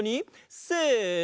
せの！